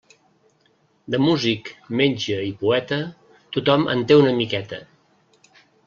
De músic, metge i poeta, tothom en té una miqueta.